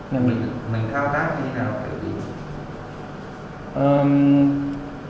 mình thao tác như thế nào